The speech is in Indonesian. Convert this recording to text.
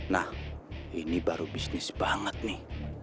nah ini baru bisnis banget nih